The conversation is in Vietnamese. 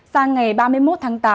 sang ngày ba mươi một tháng